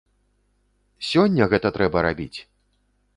Сёння гэта трэба рабіць!